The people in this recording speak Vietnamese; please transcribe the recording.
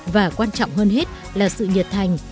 và quan trọng hơn hết là sự nhiệt thành